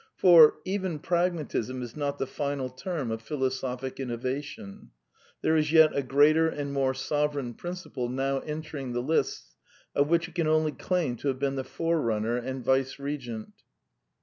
For, " even Pragmatism is not the final term of philosophic innova tion: there is yet a greater and more sovereign principle now entering the lists, of which it can only claim to have been the forerunner and vicegerent."